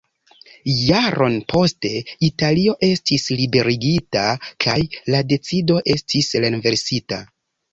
Jaron poste, Italio estis liberigita kaj la decido estis renversita.